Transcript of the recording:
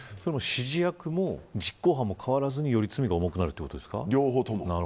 指示役も実行犯も変わらずに罪が重くなるということですね。